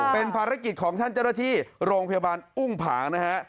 เป็นภารกิจของท่านเจ้าหน้าที่โรงพยาบาลอุ้งผางนะฮะ